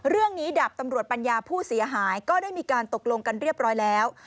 ดาบตำรวจปัญญาผู้เสียหายก็ได้มีการตกลงกันเรียบร้อยแล้ว